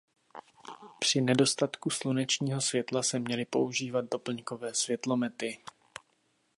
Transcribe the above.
Při nedostatku slunečního světla se měly používat doplňkové světlomety.